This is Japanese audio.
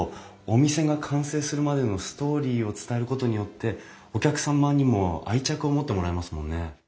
お店が完成するまでのストーリーを伝えることによってお客様にも愛着を持ってもらえますもんね。